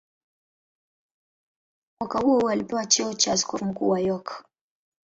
Mwaka huohuo alipewa cheo cha askofu mkuu wa York.